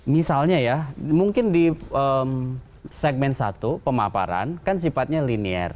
misalnya ya mungkin di segmen satu pemaparan kan sifatnya linear